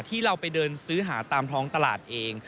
ที่เราไปเดินซื้อหาตามท้องตลาดเอง